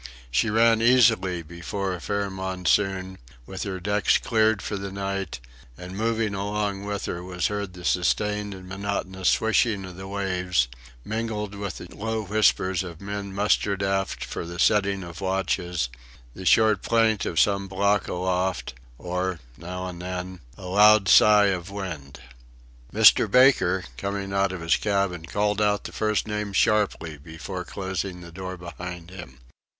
She ran easily before a fair monsoon, with her decks cleared for the night; and, moving along with her, was heard the sustained and monotonous swishing of the waves, mingled with the low whispers of men mustered aft for the setting of watches; the short plaint of some block aloft; or, now and then, a loud sigh of wind. Mr. Baker, coming out of his cabin, called out the first name sharply before closing the door behind him.